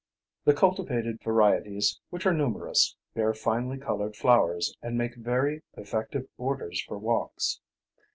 The cultivated varieties, which are numerous, bear finely coloured flowers, and make very effective borders for walks.